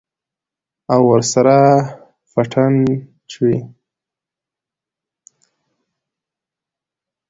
او ورسره پټن چوي.